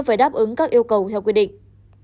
hãy đăng ký kênh để ủng hộ kênh của mình nhé